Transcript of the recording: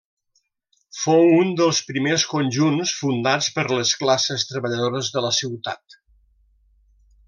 Fou un dels primers conjunts fundats per les classes treballadores de la ciutat.